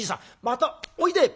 またおいで！」。